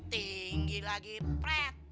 tinggi lagi pret